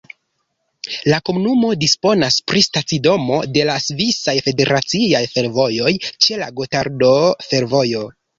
La komunumo disponas pri stacidomo de la Svisaj Federaciaj Fervojoj ĉe la Gotardo-Fervojo.